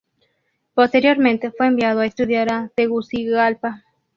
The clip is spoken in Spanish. Posteriormente fue enviado a estudiar a Tegucigalpa.